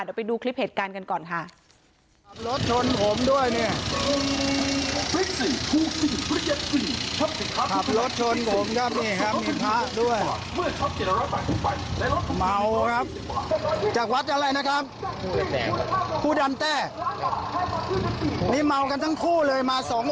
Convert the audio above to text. เดี๋ยวไปดูคลิปเหตุการณ์กันก่อนค่ะ